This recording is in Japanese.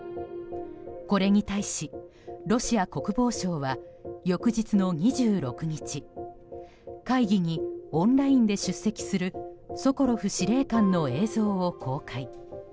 これに対し、ロシア国防省は翌日の２６日会議にオンラインで出席するソコロフ司令官の映像を公開。